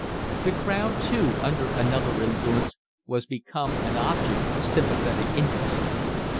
The crowd too, under another influence, was become an object of sympathetic interest.